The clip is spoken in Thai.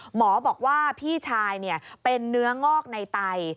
หมอบอกว่าพี่ชายเป็นเนื้องอกในไต